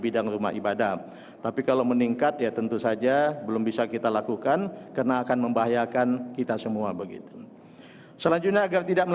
dan di hati ada kemampuan